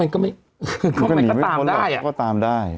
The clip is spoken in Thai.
ไม่ก็ไม่เขาตามได้มันก็หุ้นดอกก็ตามได้